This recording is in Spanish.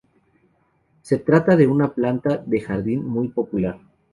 Se trata de una planta de jardín muy popular.